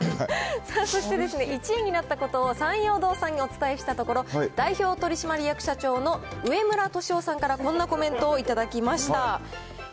そして、１位になったことをサンヨー堂さんにお伝えしたところ、代表取締役社長の植村敏男さんからこんなコメントを頂きました。